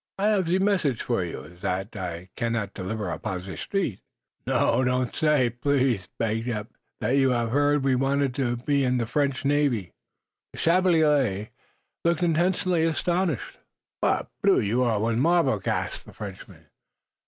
I have ze message for you zat I cannot deliver upon ze street." "Now, don't say, please," begged Eph, "that you have heard we are wanted in the French Navy." The Chevalier d'Ouray looked intensely astonished. "Parbleu! You are one marvel!" gasped the Frenchman.